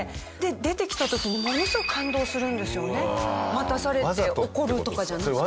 待たされて怒るとかじゃなくて。